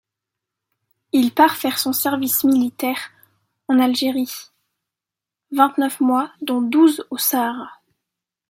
Il part faire son service militaire, en Algérie, vingt-neuf mois dont douze au Sahara.